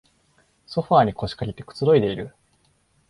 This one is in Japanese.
ソファーに腰かけてくつろいでいる